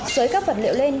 xới các vật liệu lên